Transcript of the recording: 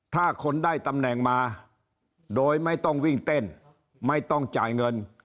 ถ้าคนได้ตำแหน่งมาโดยไม่ต้องวิ่งเต้นไม่ต้องจ่ายเงิน